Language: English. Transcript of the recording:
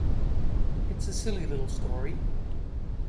It's a silly little story.